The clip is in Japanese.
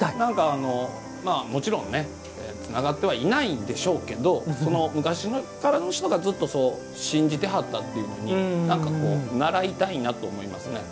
もちろんつながってはいないんでしょうが昔の人がずっと信じてはったというのになんか、ならいたいなと思います。